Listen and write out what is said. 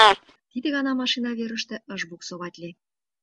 Тиде гана машина верыште ыш буксоватле.